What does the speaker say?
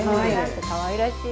かわいらしい。